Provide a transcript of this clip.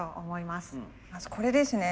まずこれですね。